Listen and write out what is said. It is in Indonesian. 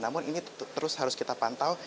namun ini terus harus kita pantau